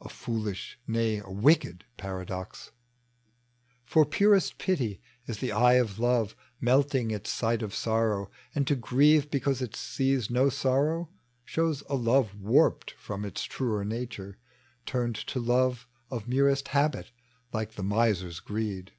A foolish, nay, a wicked paradox ! For purest pity is the eye of love Melting at sight of sorrow ; and to grieve Because it sees no sorrow, shows a love Warped from its truer nature, turned to love <tf merest habit, like the miser's greed.